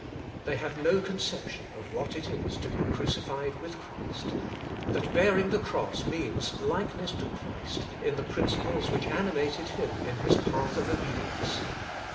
They have no con ception of what it is to be crucified with Christ, that bearing the cross means likeness to Christ in the principles which animated Him in His path of obedi ence.